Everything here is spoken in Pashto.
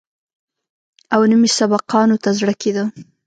او نه مې سبقانو ته زړه کېده.